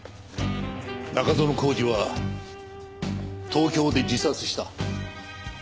中園宏司は東京で自殺した。